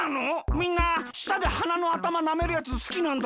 みんなしたではなのあたまなめるやつすきなんだ。